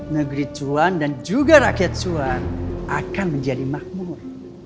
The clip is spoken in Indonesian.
negeri cuan dan juga rakyat suar akan menjadi makmur